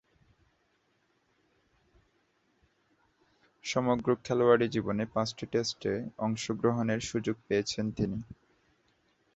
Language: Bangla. সমগ্র খেলোয়াড়ী জীবনে পাঁচটি টেস্টে অংশগ্রহণের সুযোগ পেয়েছেন তিনি।